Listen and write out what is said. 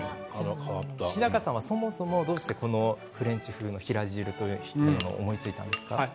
日高さんは、そもそもどうしてこのフレンチ風の冷や汁を思いついたんですか。